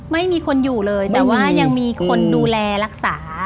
ไม่มีคนอยู่เลยแต่ว่ายังมีคนดูแลรักษา